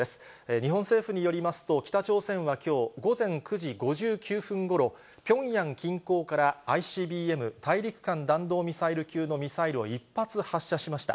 日本政府によりますと、北朝鮮はきょう午前９時５９分ごろ、ピョンヤン近郊からＩＣＢＭ・大陸間弾道ミサイル級のミサイルを１発発射しました。